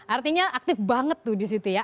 artinya aktif banget tuh di situ ya